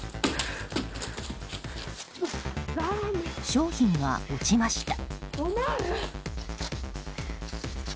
商品が落ちました。